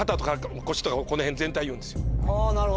あなるほど。